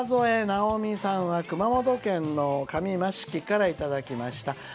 なおみさんは熊本県の上益城からいただきました。